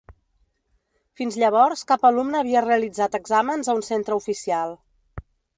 Fins llavors cap alumne havia realitzat exàmens a un centre oficial.